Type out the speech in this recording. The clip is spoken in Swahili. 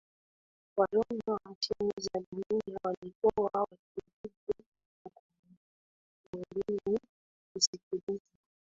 Wajumbe wa nchi za dunia walikuwa wakirudi ukumbini kusikiliza